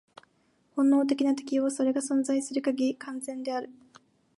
本能的な適応は、それが存在する限り、完全である。